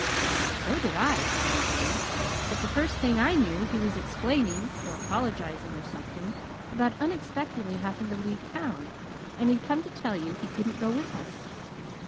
"So did I," frowned Jamie. "But the first thing I knew he was explaining or apologizing or something about unexpectedly having to leave town, and he'd come to tell you he couldn't go with us.